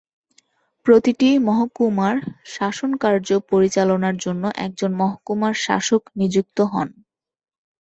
প্রতিটি মহকুমার শাসনকার্য পরিচালনার জন্য একজন মহকুমা-শাসক নিযুক্ত হন।